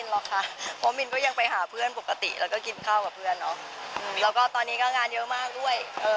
แล้วก็ตอนนี้ก็งานเยอะมากด้วย